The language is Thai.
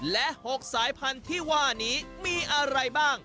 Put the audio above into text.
และ๖สายพันธุ์ที่ว่านี้มีอะไรบ้าง